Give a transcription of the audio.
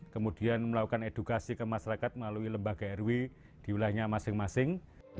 kemudian melakukan edukasi ke masyarakat melalui lembaga rw di wilayahnya masing masing